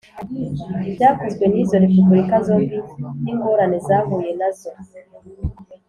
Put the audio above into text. byakozwe n'izo repubulika zombi, n'ingorane zahuye na zo